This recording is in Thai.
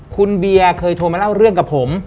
คุณเบียร์เคยโทรมาเล่าเรื่องกับผม